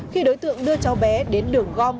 khi đối tượng đưa cháu bé đến đường gom